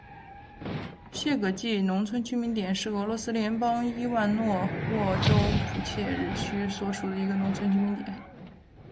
谢戈季农村居民点是俄罗斯联邦伊万诺沃州普切日区所属的一个农村居民点。